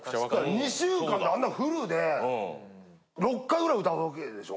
２週間であんなフルで６回ぐらい歌うわけでしょ？